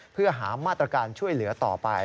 เพื่อหามาตรการช่วยเหลือต่อไป